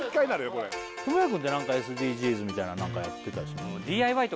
これ倫也君って何かＳＤＧｓみたいな何かやってたりします？